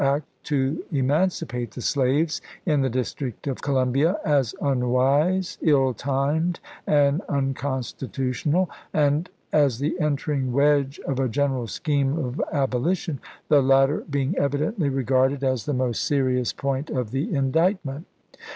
act to emancipate the slaves in the District of Columbia as unwise, ill timed, and unconstitutional, and as the entering wedge of a general scheme of abolition — the latter being evidently regarded as the most serious point of the indictment.